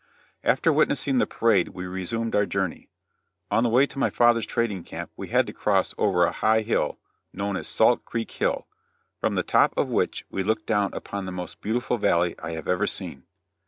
After witnessing the parade we resumed our journey. On the way to my father's trading camp we had to cross over a high hill known as Salt Creek Hill, from the top of which we looked down upon the most beautiful valley I have ever seen.